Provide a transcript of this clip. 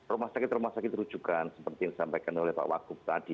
rumah sakit rumah sakit rujukan seperti yang disampaikan oleh pak wagub tadi